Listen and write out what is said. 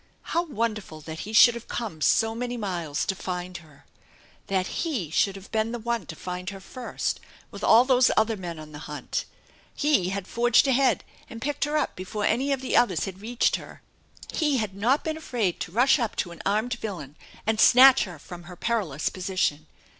How wonderful that he should have come so many miles to find her ! That he should have been the one to find her first, with all those other men on the hunt. He had forged ahead and picked her up before any of the others had reached her. He had not been afraid to rush up to an armed villain and snatch her from her perilous position